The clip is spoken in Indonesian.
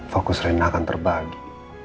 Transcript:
fokus rena akan terbagi